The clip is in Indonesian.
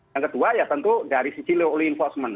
yang kedua ya tentu dari sisi law enforcement